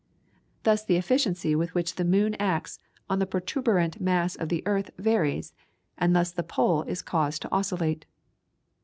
Thus the efficiency with which the moon acts on the protuberant mass of the earth varies, and thus the pole is caused to oscillate.